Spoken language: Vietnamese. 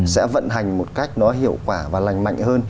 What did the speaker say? sẽ vận hành một cách nó hiệu quả và lành mạnh hơn